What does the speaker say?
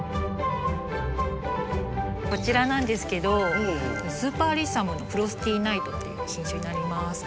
こちらなんですけどスーパーアリッサム・フロスティーナイトっていう品種になります。